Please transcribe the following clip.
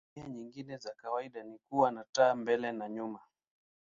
Tabia nyingine za kawaida ni kuwa na taa mbele na nyuma.